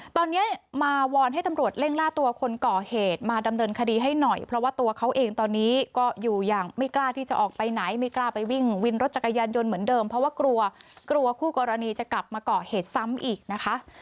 ตอนนี้มาวอนให้ตำรวจเร่งล่าตัวคนก่อเหตุมาดำเนินคดีให้หน่อยเพราะว่าตัวเขาเองตอนนี้ก็อยู่อย่างไม่กล้าที่จะออกไปไหนไม่กล้าไปวิ่งวินรถจักรยานยนต์เหมือนเดิมเพราะว่ากลัวกลัวคู่กรณีจะกลับมาก่อเหตุซ้ำอีกนะคะ